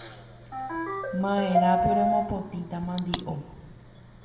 Ma’erãpio remopotĩta mandi’o.